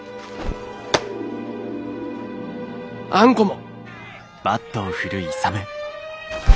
あんこも。